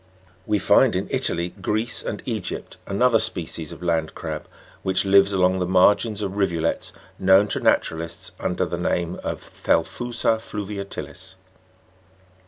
We find in Italy, Greece, and Egypt, another species of land crab, which lives along the margins of rivulets, known to natura lists under the name of Thdphu'sa flaviati'lis.